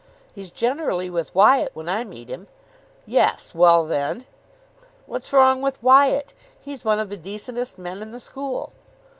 "He's generally with Wyatt when I meet him." "Yes. Well, then!" "What's wrong with Wyatt? He's one of the decentest men in the school."